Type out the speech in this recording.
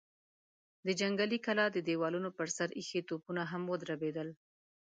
د جنګي کلا د دېوالونو پر سر ايښي توپونه هم ودربېدل.